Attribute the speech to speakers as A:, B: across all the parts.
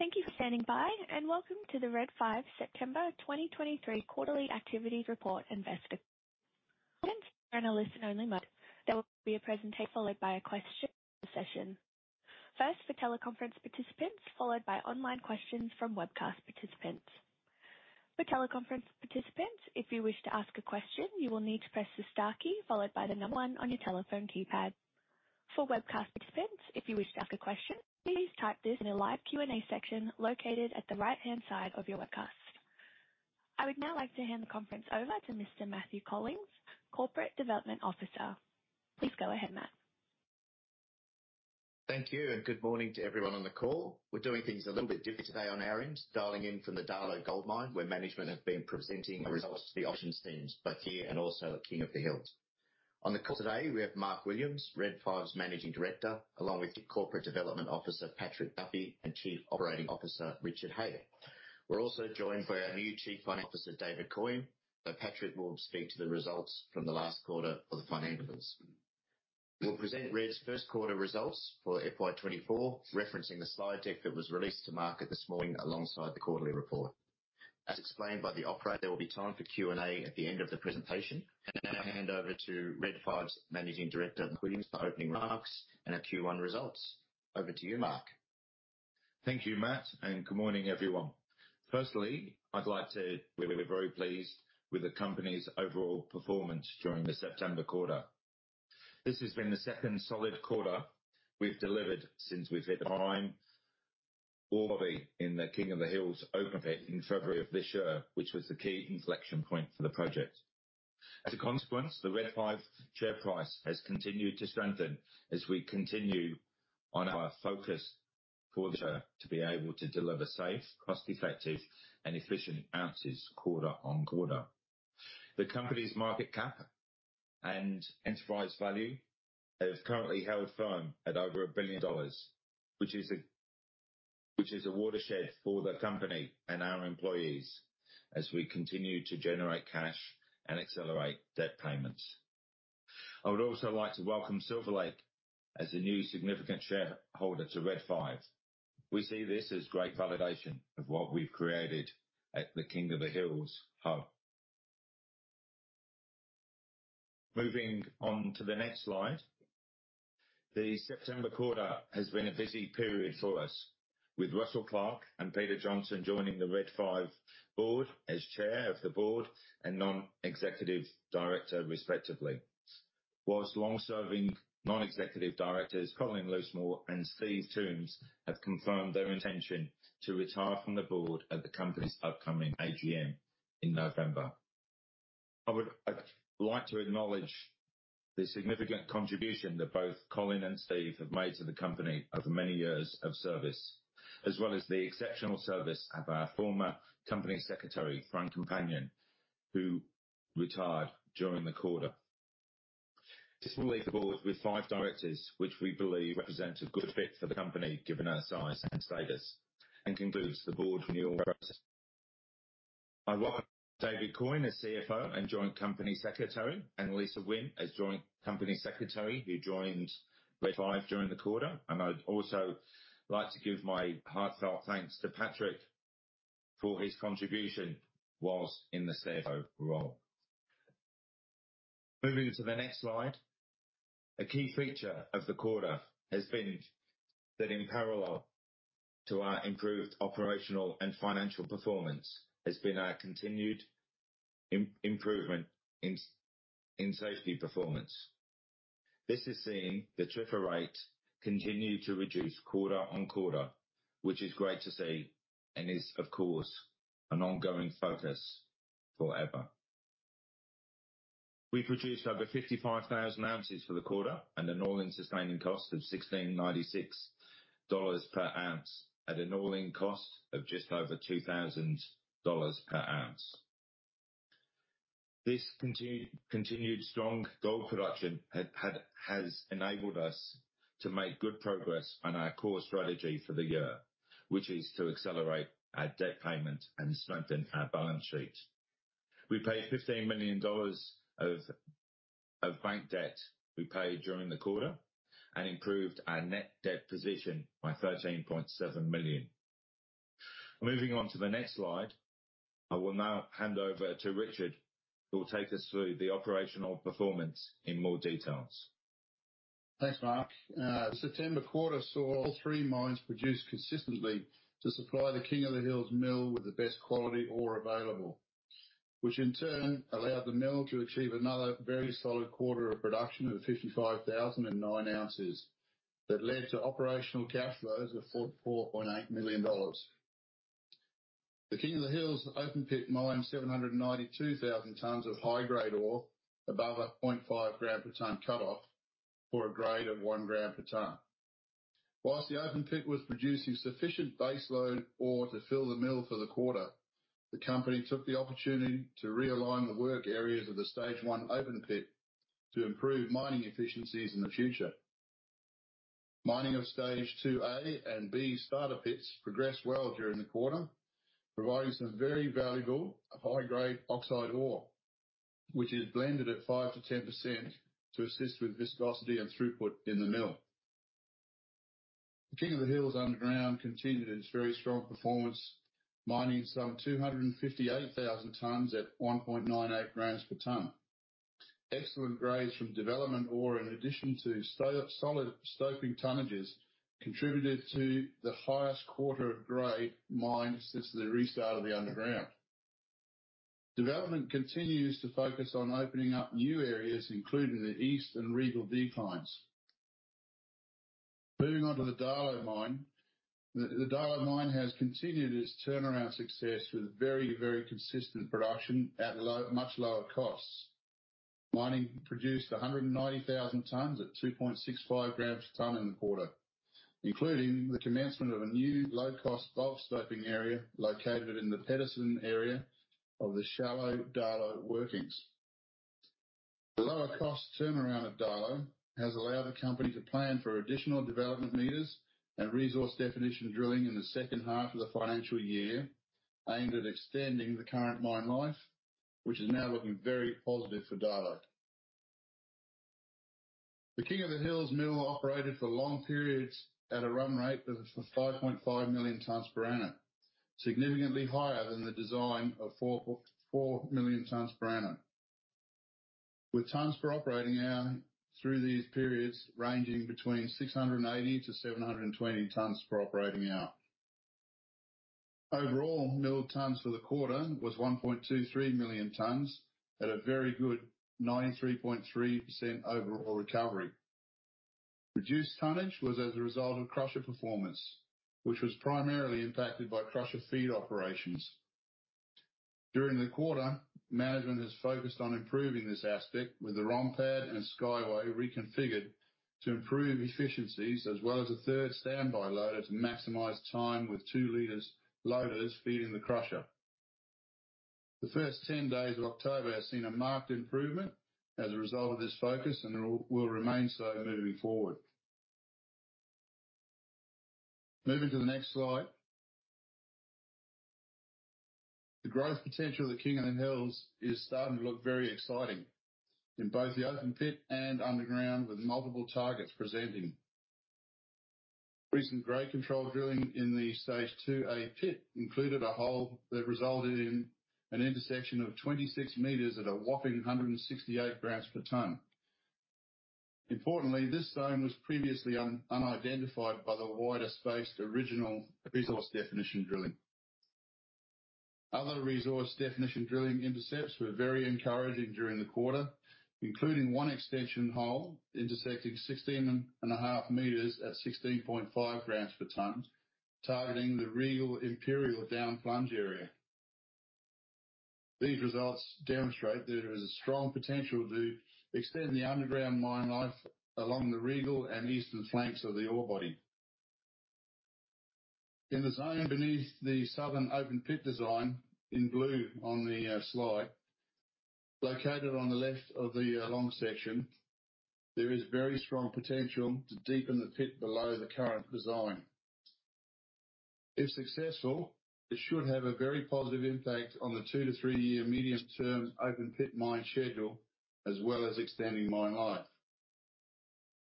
A: Thank you for standing by, and welcome to the Red 5 September 2023 quarterly activity report investor. Participants are in a listen-only mode. There will be a presentation followed by a question session. First for teleconference participants, followed by online questions from webcast participants. For teleconference participants, if you wish to ask a question, you will need to press the star key followed by the number 1 on your telephone keypad. For webcast participants, if you wish to ask a question, please type this in the live Q&A section located at the right-hand side of your webcast. I would now like to hand the conference over to Mr. Mathew Collings, Corporate Development Officer. Please go ahead, Matt.
B: Thank you, and good morning to everyone on the call. We're doing things a little bit differently today on our end, dialing in from the Darlot Gold Mine, where management have been presenting our results to the operations teams both here and also at King of the Hills. On the call today, we have Mark Williams, Red 5's Managing Director, along with the Corporate Development Officer, Patrick Duffy, and Chief Operating Officer, Richard Hayter. We're also joined by our new Chief Financial Officer, David Coyne, so Patrick will speak to the results from the last quarter for the financials. We'll present Red's first quarter results for FY 2024, referencing the slide deck that was released to market this morning alongside the quarterly report. As explained by the operator, there will be time for Q&A at the end of the presentation. I'll now hand over to Red 5's Managing Director, Mark Williams, for opening remarks and our Q1 results. Over to you, Mark.
C: Thank you, Matt, and good morning, everyone. Firstly, I'd like to... We're very pleased with the company's overall performance during the September quarter. This has been the second solid quarter we've delivered since we've hit the high ore body in the King of the Hills open pit in February of this year, which was the key inflection point for the project. As a consequence, the Red 5 share price has continued to strengthen as we continue on our focus for the year, to be able to deliver safe, cost-effective, and efficient ounces quarter on quarter. The company's market cap and enterprise value have currently held firm at over 1,000,000,000 dollars, which is a, which is a watershed for the company and our employees as we continue to generate cash and accelerate debt payments. I would also like to welcome Silver Lake as a new significant shareholder to Red 5. We see this as great validation of what we've created at the King of the Hills hub. Moving on to the next slide. The September quarter has been a busy period for us, with Russell Clark and Peter Johnston joining the Red 5 board as Chair of the board and Non-Executive Director respectively. While long-serving Non-Executive Directors, Colin Loosemore and Steve Tombs, have confirmed their intention to retire from the board at the company's upcoming AGM in November. I would like to acknowledge the significant contribution that both Colin and Steve have made to the company over many years of service, as well as the exceptional service of our former Company Secretary, Frank Campagna, who retired during the quarter. This will leave the board with five directors, which we believe represents a good fit for the company, given our size and status, and concludes the board renewal process. I welcome David Coyne as CFO and Joint Company Secretary, and Lisa Wynne as Joint Company Secretary, who joined Red 5 during the quarter. I'd also like to give my heartfelt thanks to Patrick for his contribution while in the CFO role. Moving to the next slide. A key feature of the quarter has been that in parallel to our improved operational and financial performance, has been our continued improvement in safety performance. This is seeing the TRIFR rate continue to reduce quarter-on-quarter, which is great to see and is, of course, an ongoing focus forever. We've produced over 55,000 ounces for the quarter, and an all-in sustaining cost of $1,696 per ounce at an all-in cost of just over $2,000 per ounce. This continued strong gold production has enabled us to make good progress on our core strategy for the year, which is to accelerate our debt payment and strengthen our balance sheet. We paid 15,000,000 dollars of bank debt during the quarter and improved our net debt position by 13,700,000. Moving on to the next slide. I will now hand over to Richard, who will take us through the operational performance in more details.
D: Thanks, Mark. The September quarter saw all three mines produce consistently to supply the King of the Hills mill with the best quality ore available, which in turn allowed the mill to achieve another very solid quarter of production of 55,009 ounces. That led to operational cash flows of 4,800,000 dollars. The King of the Hills open pit mined 792,000 tons of high-grade ore above a 0.5 gram per ton cutoff for a grade of 1 gram per ton. While the open pit was producing sufficient baseload ore to fill the mill for the quarter, the company took the opportunity to realign the work areas of the Stage One open pit to improve mining efficiencies in the future. Mining of Stage Two A and B starter pits progressed well during the quarter, providing some very valuable high-grade oxide ore, which is blended at 5%-10% to assist with viscosity and throughput in the mill. The King of the Hills underground continued its very strong performance, mining 258,000 tons at 1.98 grams per ton. Excellent grades from development ore, in addition to solid stoping tonnages, contributed to the highest quarter of grade mined since the restart of the underground. Development continues to focus on opening up new areas, including the East and Regal declines. Moving on to the Darlot mine. The Darlot mine has continued its turnaround success with very, very consistent production at much lower costs. Mining produced 190,000 tons at 2.65 grams per ton in the quarter, including the commencement of a new low-cost bulk stoping area located in the Pederson area of the shallow Darlot workings. The lower cost turnaround of Darlot has allowed the company to plan for additional development meters and resource definition drilling in the second half of the financial year, aimed at extending the current mine life, which is now looking very positive for Darlot. The King of the Hills mill operated for long periods at a run rate of 5,500,000 tons per annum, significantly higher than the design of 4,400,000 tons per annum, with tons per operating hour through these periods ranging between 680-720 tons per operating hour. Overall, milled tons for the quarter was 1,230,000 tons at a very good 93.3% overall recovery. Reduced tonnage was as a result of crusher performance, which was primarily impacted by crusher feed operations. During the quarter, management has focused on improving this aspect with the ROM pad and skyway reconfigured to improve efficiencies, as well as a third standby loader to maximize time with two loaders feeding the crusher. The first 10 days of October have seen a marked improvement as a result of this focus, and will remain so moving forward. Moving to the next slide. The growth potential of the King of the Hills is starting to look very exciting in both the open pit and underground, with multiple targets presenting. Recent grade control drilling in the stage two A pit included a hole that resulted in an intersection of 26 meters at a whopping 168 grams per ton. Importantly, this zone was previously unidentified by the wider spaced original resource definition drilling. Other resource definition drilling intercepts were very encouraging during the quarter, including one extension hole intersecting 16.5 meters at 16.5 grams per ton, targeting the Regal Imperial down plunge area. These results demonstrate that there is a strong potential to extend the underground mine life along the Regal and eastern flanks of the ore body. In the zone beneath the southern open pit design, in blue on the slide, located on the left of the long section, there is very strong potential to deepen the pit below the current design. If successful, it should have a very positive impact on the 2- to 3-year medium-term open pit mine schedule, as well as extending mine life.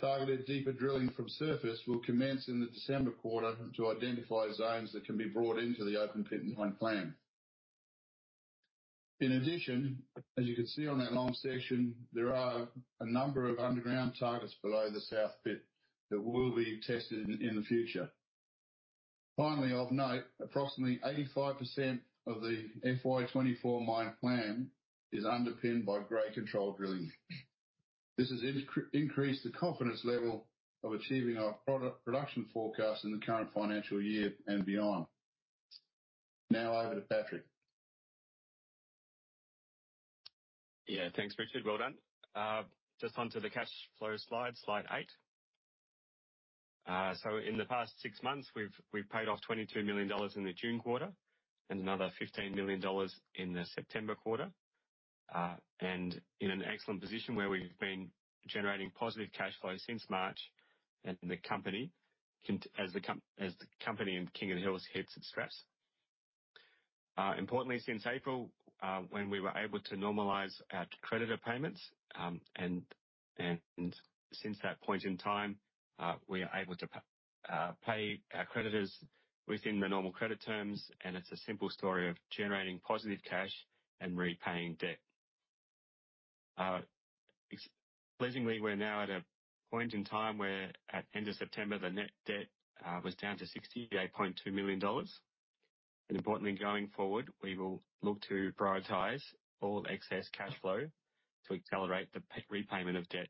D: Targeted deeper drilling from surface will commence in the December quarter to identify zones that can be brought into the open pit mine plan. In addition, as you can see on that long section, there are a number of underground targets below the South Pit that will be tested in the future. Finally, of note, approximately 85% of the FY 2024 mine plan is underpinned by grade control drilling. This has increased the confidence level of achieving our production forecast in the current financial year and beyond. Now over to Patrick.
E: Yeah, thanks, Richard. Well done. Just onto the cash flow slide, slide eight. So in the past six months, we've paid off 22,000,000 dollars in the June quarter and another 15,000,000 dollars in the September quarter. And in an excellent position where we've been generating positive cash flow since March, and the company in King of the Hills hits its straps. Importantly, since April, when we were able to normalize our creditor payments, and since that point in time, we are able to pay our creditors within the normal credit terms, and it's a simple story of generating positive cash and repaying debt. Pleasingly, we're now at a point in time where, at end of September, the net debt was down to 68,200,000 dollars. Importantly, going forward, we will look to prioritize all excess cash flow to accelerate the repayment of debt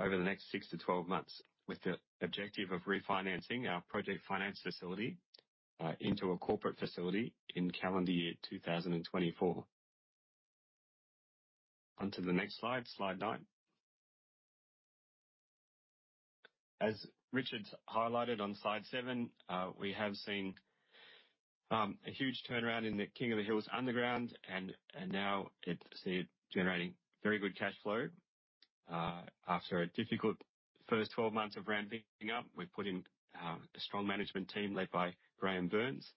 E: over the next 6-12 months, with the objective of refinancing our project finance facility into a corporate facility in calendar year 2024. On to the next slide, slide 9. As Richard highlighted on slide 7, we have seen a huge turnaround in the King of the Hills underground, and now it's generating very good cash flow. After a difficult first 12 months of ramping up, we've put in a strong management team led by Graham Burns,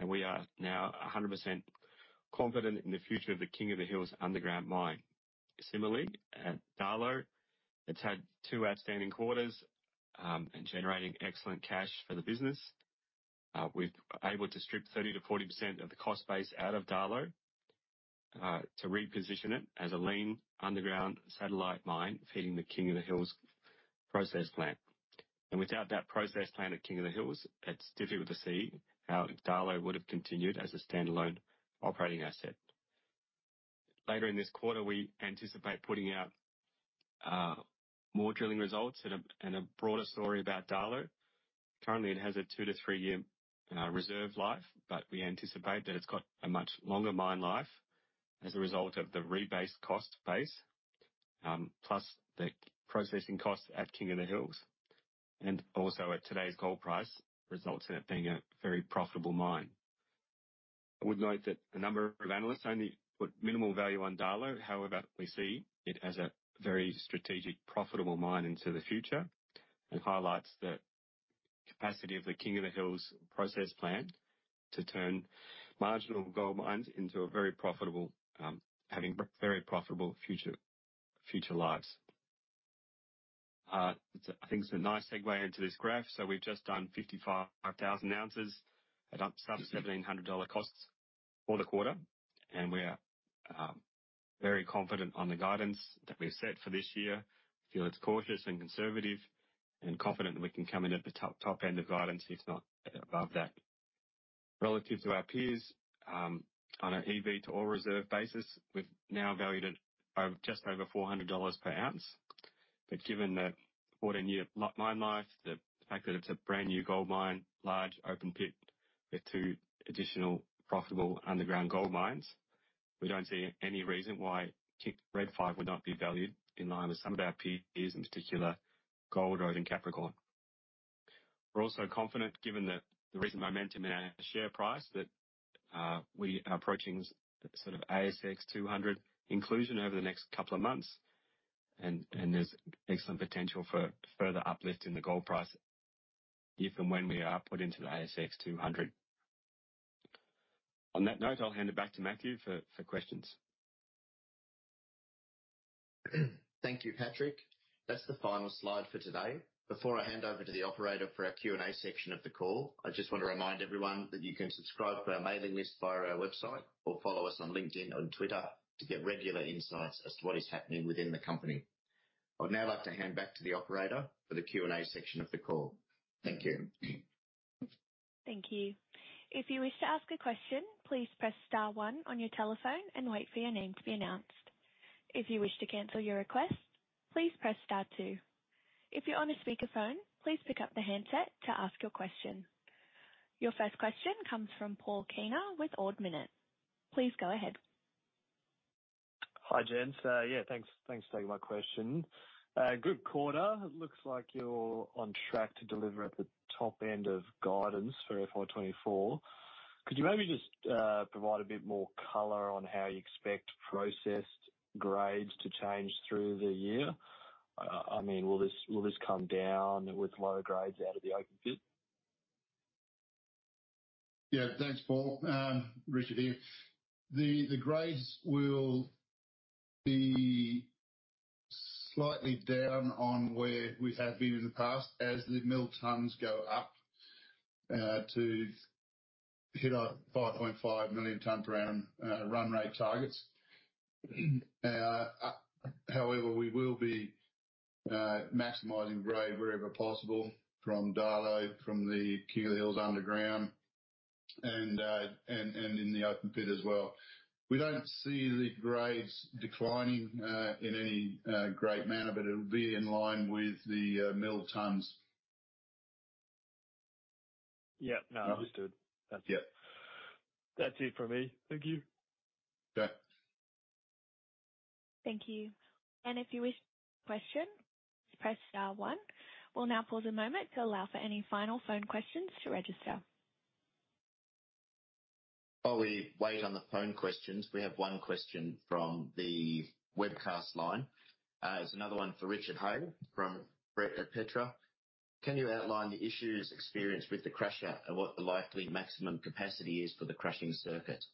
E: and we are now 100% confident in the future of the King of the Hills Underground mine. Similarly, at Darlot, it's had two outstanding quarters and generating excellent cash for the business. We've able to strip 30%-40% of the cost base out of Darlot, to reposition it as a lean underground satellite mine, feeding the King of the Hills process plant. Without that process plant at King of the Hills, it's difficult to see how Darlot would have continued as a standalone operating asset. Later in this quarter, we anticipate putting out more drilling results and a broader story about Darlot. Currently, it has a 2- to 3-year reserve life, but we anticipate that it's got a much longer mine life as a result of the rebased cost base, plus the processing costs at King of the Hills, and also at today's gold price, results in it being a very profitable mine. I would note that a number of analysts only put minimal value on Darlot, however, we see it as a very strategic, profitable mine into the future and highlights the capacity of the King of the Hills processing plant to turn marginal gold mines into a very profitable, having very profitable future, future lives. I think it's a nice segue into this graph. So we've just done 55,000 ounces at AISC sub-$1,700 costs for the quarter, and we are very confident on the guidance that we've set for this year. Feel it's cautious and conservative, and confident we can come in at the top, top end of guidance, if not above that. Relative to our peers, on an EV to Ore Reserve basis, we've now valued it at over, just over $400 per ounce. But given the 14-year mine life, the fact that it's a brand-new gold mine, large open pit with two additional profitable underground gold mines, we don't see any reason why Red 5 would not be valued in line with some of our peers, in particular, Gold Road and Capricorn. We're also confident, given the recent momentum in our share price, that we are approaching sort of ASX 200 inclusion over the next couple of months, and there's excellent potential for further uplift in the gold price, if and when we are put into the ASX 200. On that note, I'll hand it back to Matthew for questions.
B: Thank you, Patrick. That's the final slide for today. Before I hand over to the operator for our Q&A section of the call, I just want to remind everyone that you can subscribe to our mailing list via our website, or follow us on LinkedIn or Twitter to get regular insights as to what is happening within the company. I would now like to hand back to the operator for the Q&A section of the call. Thank you.
A: Thank you. If you wish to ask a question, please press star one on your telephone and wait for your name to be announced. If you wish to cancel your request, please press star two. If you're on a speakerphone, please pick up the handset to ask your question. Your first question comes from Paul Kaner with Ord Minnett. Please go ahead.
F: Hi, gents. Yeah, thanks. Thanks for taking my question. Good quarter. It looks like you're on track to deliver at the top end of guidance for FY 2024. Could you maybe just provide a bit more color on how you expect processed grades to change through the year? I mean, will this, will this come down with lower grades out of the open pit?
D: Yeah, thanks, Paul. Richard, here. The grades will be slightly down on where we have been in the past, as the mill tons go up to hit our 5,500,000 tons per annum run rate targets. However, we will be maximizing grade wherever possible from Darlot, from the King of the Hills underground, and in the open pit as well. We don't see the grades declining in any great manner, but it'll be in line with the mill tons.
F: Yeah. No, understood.
D: Yeah.
F: That's it for me. Thank you.
D: Thanks.
A: Thank you. If you wish to ask a question, press star one. We'll now pause a moment to allow for any final phone questions to register.
B: While we wait on the phone questions, we have one question from the webcast line. It's another one for Richard Hayter from Brett at Petra. Can you outline the issues experienced with the crusher and what the likely maximum capacity is for the crushing circuit?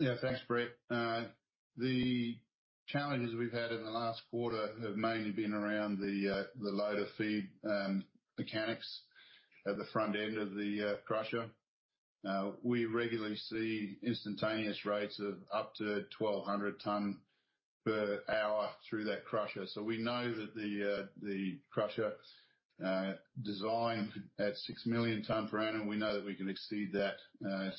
D: Yeah. Thanks, Brett. The challenges we've had in the last quarter have mainly been around the loader feed mechanics at the front end of the crusher. We regularly see instantaneous rates of up to 1,200 tons per hour through that crusher. So we know that the crusher designed at 6,000,000 tons per annum, we know that we can exceed that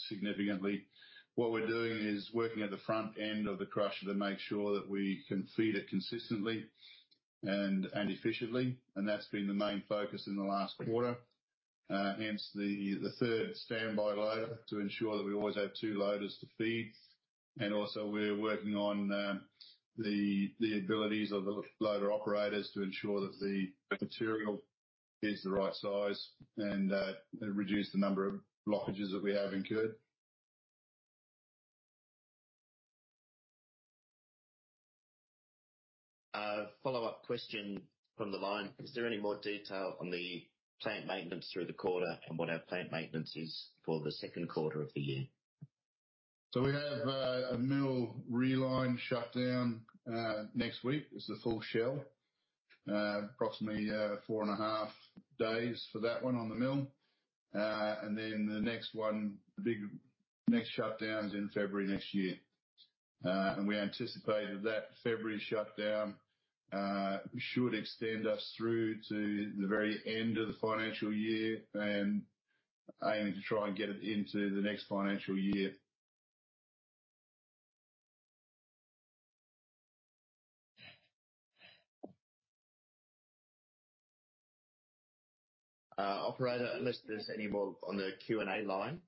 D: significantly. What we're doing is working at the front end of the crusher to make sure that we can feed it consistently and efficiently, and that's been the main focus in the last quarter. Hence the third standby loader, to ensure that we always have two loaders to feed. Also, we're working on the abilities of the loader operators to ensure that the material is the right size and reduce the number of blockages that we have incurred.
B: A follow-up question from the line: Is there any more detail on the plant maintenance through the quarter and what our plant maintenance is for the second quarter of the year?
D: So we have a mill reline shutdown next week. It's the full shell. Approximately 4.5 days for that one on the mill. And then the next one, the big next shutdown is in February next year. And we anticipate that that February shutdown should extend us through to the very end of the financial year and aiming to try and get it into the next financial year.
B: Operator, unless there's any more on the Q&A line?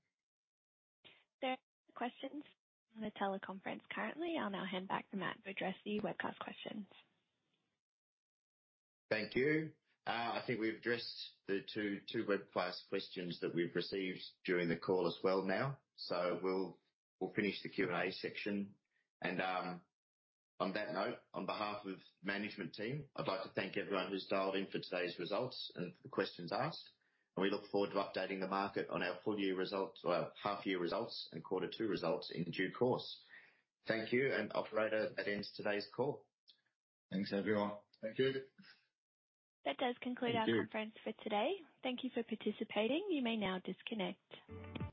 A: There are no questions on the teleconference currently. I'll now hand back to Matt to address the webcast questions.
B: Thank you. I think we've addressed the 2 webcast questions that we've received during the call as well now. So we'll finish the Q&A section. On that note, on behalf of management team, I'd like to thank everyone who's dialed in for today's results and for the questions asked, and we look forward to updating the market on our full year results or our half year results and quarter two results in due course. Thank you, and operator, that ends today's call.
E: Thanks, everyone.
D: Thank you.
A: That does conclude-
B: Thank you.
A: Our conference for today. Thank you for participating. You may now disconnect.